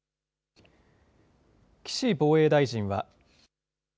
岸防衛大臣は。